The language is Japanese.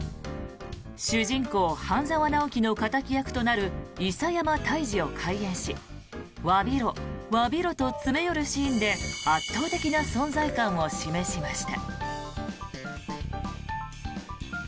主人公・半沢直樹の敵役となる伊佐山泰二を怪演しわびろ、わびろと詰め寄るシーンで圧倒的な存在感を示しました。